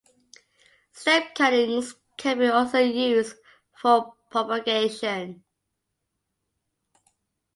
Stem cuttings can be also used for propagation.